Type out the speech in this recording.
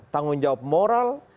tanggung jawab moral